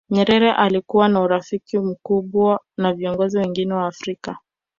nyerere alikuwa na urafiki mkubwa na viongozi wengine wa afrika